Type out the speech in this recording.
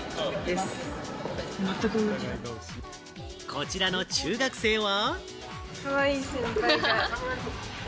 こちらの中学生は。